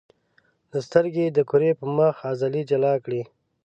د سترګې د کرې د مخ عضلې جلا کړئ.